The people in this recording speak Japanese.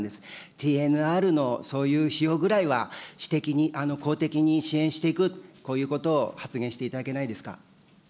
ＴＮＲのそういう費用ぐらいは私的に、公的に支援していく、こういうことを発言していただけないですか。